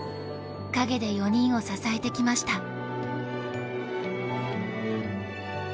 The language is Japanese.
陰で４人を支えてきました。